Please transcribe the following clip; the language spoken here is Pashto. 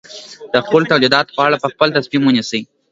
د خپلو تولیداتو په اړه په خپله تصمیم ونیسي.